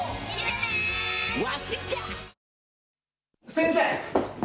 先生！